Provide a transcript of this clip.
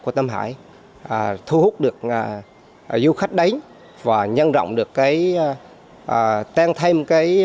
của tâm hải thu hút được du khách đánh và nhân rộng được cái tên thêm